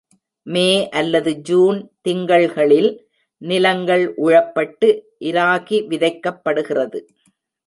மே அல்லது ஜூன் திங்கள்களில் நிலங்கள் உழப்பட்டு, இராகி விதைக்கப்படுகிறது.